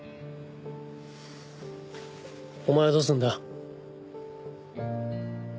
お前はどうするんだ？